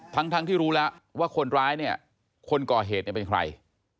ทั้งที่รู้แล้วว่าคนร้ายคนก่อเหตุเป็นใคร